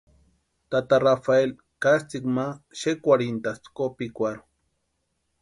Tata Rafeli katsʼïkwa ma xekwarhintʼaspti kopikwarhu.